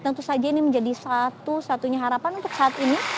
tentu saja ini menjadi satu satunya harapan untuk saat ini